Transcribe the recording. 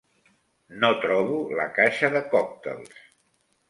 No trobo la caixa de còctels.